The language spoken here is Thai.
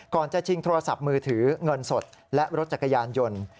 จะชิงโทรศัพท์มือถือเงินสดและรถจักรยานยนต์